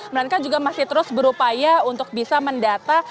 melainkan juga masih terus berupaya untuk bisa mendata